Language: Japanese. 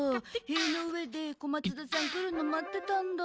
へいの上で小松田さん来るの待ってたんだ。